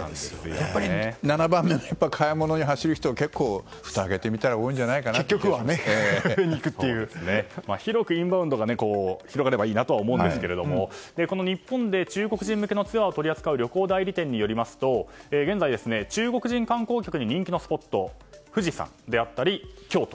やっぱり７番目の買い物に走る人ふたを開けてみたらインバウンドが広がればいいなと思うんですがこの日本で中国人向けのツアーを取り扱う旅行代理店によりますと現在、中国人観光客に人気のスポット富士山であったり京都。